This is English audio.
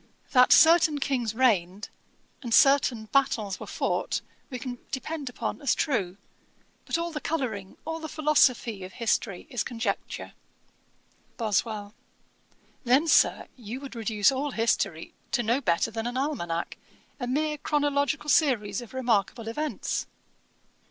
That certain Kings reigned, and certain battles were fought, we can depend upon as true; but all the colouring, all the philosophy of history is conjecture.' BOSWELL. 'Then, Sir, you would reduce all history to no better than an almanack, a mere chronological series of remarkable events.'